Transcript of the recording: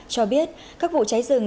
cho biết các vụ cháy rừng